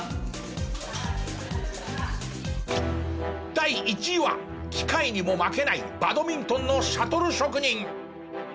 第１位は機械にも負けないバドミントンのシャトル職人。